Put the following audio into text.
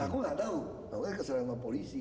aku nggak tahu aku kesal sama polisi